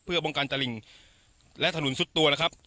เพื่อป้องกันตะหลิ่งและถนนสุดตัวนะครับ